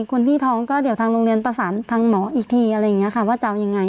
คนที่ท้องก็เดี๋ยวทางโรงเรียนประสานทางหมออีกทีว่าจะเอายังไง